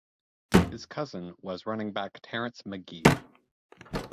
His cousin was running back Terrence Magee.